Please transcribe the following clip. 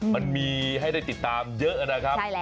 มันมีให้ได้ติดตามเยอะนะครับ